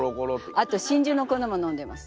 あと真珠の粉も飲んでます。